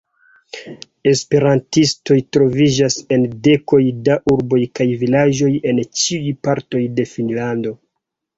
Esperantistoj troviĝas en dekoj da urboj kaj vilaĝoj en ĉiuj partoj de Finnlando.